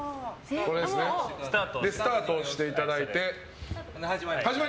スタートを押していただいて。